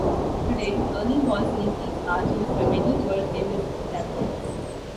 Today Ernie Ball Slinkys are used by many world famous guitar players.